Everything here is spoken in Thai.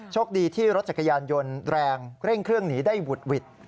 โชคดีที่รถจักรยานยนต์แรงเร่งเครื่องหนีได้หุดหวิด